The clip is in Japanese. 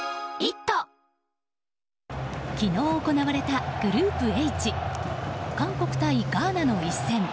昨日、行われたグループＨ韓国対ガーナの一戦。